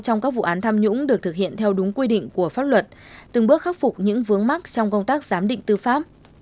trong các vụ án tham nhũng được thực hiện theo đúng quy định của pháp luật từng bước khắc phục những vướng mắc trong công tác giám định tư pháp